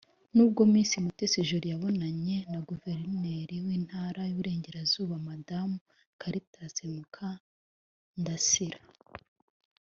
nibwo Miss Mutesi Jolly yabonanye na Guverineri w’Intara y’Uburengerazuba; Madamu Cartas Mukandasira